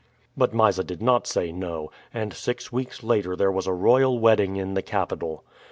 But Mysa did not say no, and six weeks later there was a royal wedding in the capital.